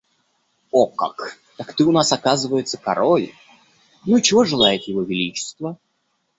О как! Так ты у нас, оказывается, король? Ну и чего желает его Величество?